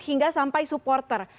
hingga sampai supporter